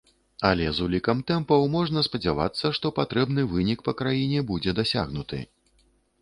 Але з улікам тэмпаў можна спадзявацца, што патрэбны вынік па краіне будзе дасягнуты.